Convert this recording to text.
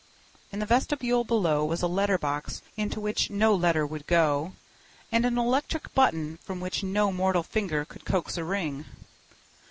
In the vestibule below was a letter box into which no letter would go, and an electric button from which no mortal finger could coax a ring.